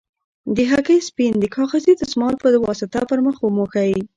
د هګۍ سپین د کاغذي دستمال په واسطه پر مخ وموښئ.